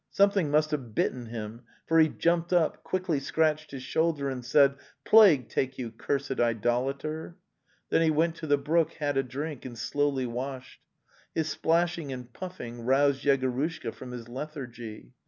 Something must have bitten him, for he jumped up, quickly scratched his shoulder and said: '"" Plague take you, cursed idolater! "' Then he went to the brook, had a drink and slowly washed. His splashing and puffing roused Yego rushka from his lethargy.